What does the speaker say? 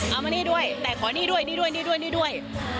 เอามานี่ด้วยแต่ขอนี่ด้วยนี่ด้วย